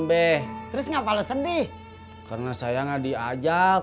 beh terus ngapal sedih karena saya nggak diajak